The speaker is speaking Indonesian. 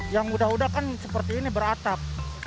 yang udah udah kan seperti ini beratap